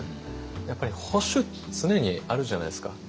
やっぱり保守って常にあるじゃないですか。